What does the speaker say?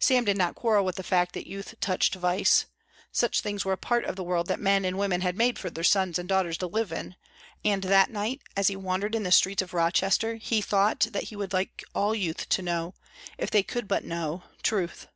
Sam did not quarrel with the fact that youth touched vice. Such things were a part of the world that men and women had made for their sons and daughters to live in, and that night as he wandered in the streets of Rochester he thought that he would like all youth to know, if they could but know, truth.